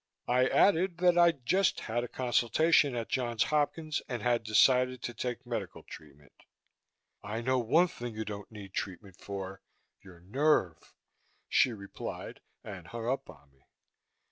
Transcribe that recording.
I added that I'd just had a consultation at Johns Hopkins and had decided to take medical treatment. "I know one thing you don't need treatment for your nerve!" she replied and hung up on me.